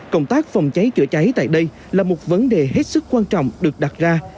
công tác phòng cháy chữa cháy tại đây là một vấn đề hết sức quan trọng được đặt ra